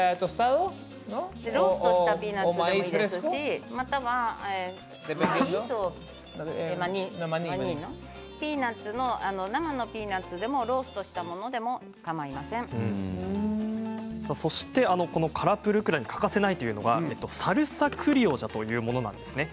ローストしたピーナツを入れますし、またはピーナツの生のピーナツでもローストしたものでもそして、カラプルクラに欠かせないというのがサルサ・クリオジャというものですね。